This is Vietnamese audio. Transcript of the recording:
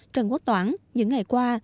trần quốc toản những ngày qua